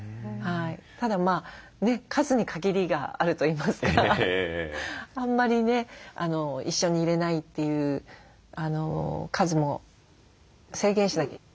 ただ数に限りがあるといいますかあんまりね一緒にいれないという数も制限しなきゃ。